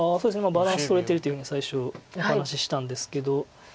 バランスとれてるというふうに最初お話ししたんですけど。